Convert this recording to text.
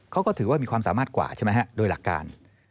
เค้าก็ถือว่ามีความสามารถกว่าโดยหลักการ